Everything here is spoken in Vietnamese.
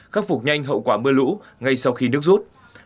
khắc phục nhanh hậu quả mưa lũ ngay sau khi nước rút